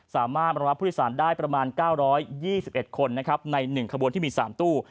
สามารถรองรับผู้โดยสารได้ประมาณ๙๒๑คนนะครับใน๑ขบวนที่มี๓ตู้